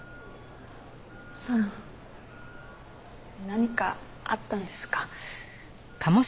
何かあったんですか？